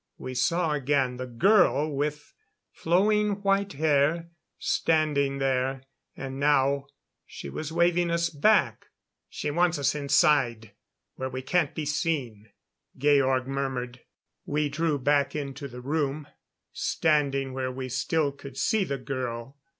We saw again the girl with flowing white hair standing there. And now she was waving us back. "She wants us inside, where we can't be seen," Georg murmured. We drew back into the room, standing where we still could see the girl.